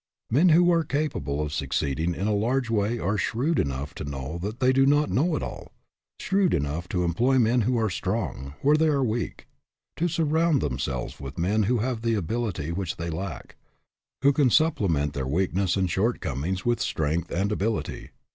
Men who are capable of succeeding in a large way are shrewd enough to know that they do not " know it all," shrewd enough to employ men who are strong where they are weak, to surround themselves with men who have the ability which they lack, who can sup plement their weakness and shortcomings with strength and ability.